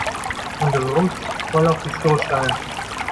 Und rums, voll auf die Stoßstange!